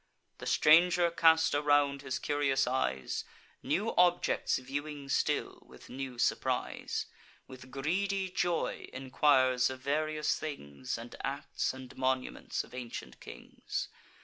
The stranger cast around his curious eyes, New objects viewing still, with new surprise; With greedy joy enquires of various things, And acts and monuments of ancient kings.